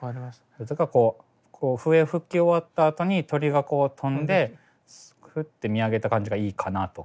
それとかこう笛吹き終わったあとに鳥がこう飛んでふって見上げた感じがいいかなとか。